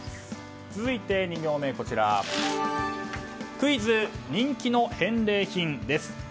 続いて、２行目クイズ人気の返礼品です。